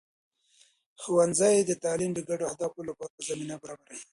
د ښوونځي تعلیم د ګډو اهدافو لپاره زمینه برابروي.